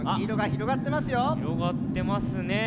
ひろがってますね。